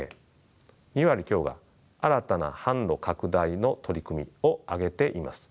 ２割強が「新たな販路拡大の取り組み」を挙げています。